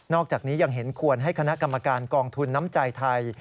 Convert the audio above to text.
อกจากนี้ยังเห็นควรให้คณะกรรมการกองทุนน้ำใจไทย